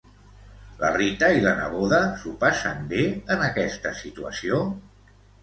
La Rita i la neboda s'ho passen bé, en aquesta situació?